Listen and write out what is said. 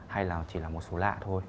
hay là chỉ là một số lạ